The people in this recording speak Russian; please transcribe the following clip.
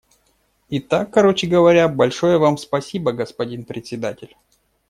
Итак, короче говоря, большое Вам спасибо, господин Председатель.